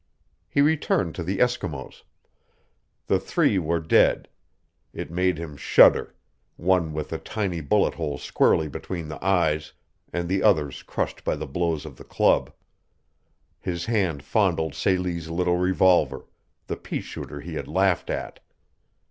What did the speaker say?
He returned to the Eskimos. The three were dead. It made him shudder one with a tiny bullet hole squarely between the eyes, and the others crushed by the blows of the club. His hand fondled Celie's little revolver the pea shooter he had laughed at.